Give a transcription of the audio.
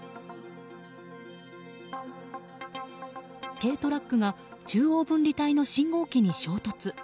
軽トラックが中央分離帯の信号機に衝突。